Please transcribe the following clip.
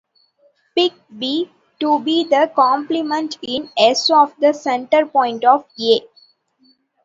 Pick "B" to be the complement in "S" of the center point of "A".